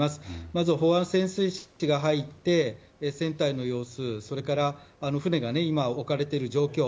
まず飽和潜水士が入って船体の様子、それから船が今置かれている状況